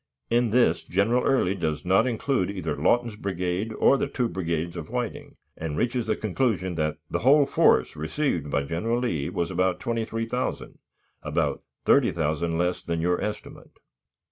In this, General Early does not include either Lawton's brigade or the two brigades with Whiting, and reaches the conclusion that "the whole force received by General Lee was about 23,000 about 30,000 less than your estimate."